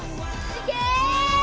すげえ！